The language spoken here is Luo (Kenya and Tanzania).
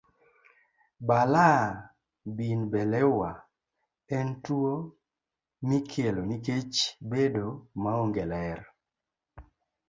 Balaa bin beleua en tuwo mikelo nikech bedo maonge ler.